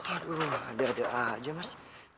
aduh ada ada aja mas